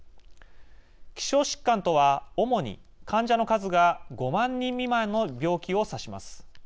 希少疾患とは、主に患者の数が５万人未満の病気を指します。